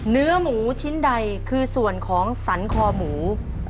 เนื้อหมูชิ้นใดคือส่วนของสรรคอหมู